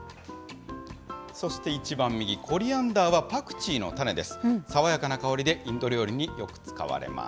そして一番右、コリアンダーはパクチーの種です。